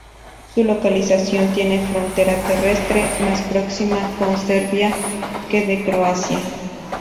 Su localización tiene una frontera terrestre más próxima con Serbia que de Croacia.